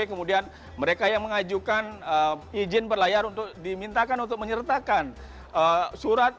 kemudian mereka yang mengajukan izin berlayar untuk dimintakan untuk menyertakan surat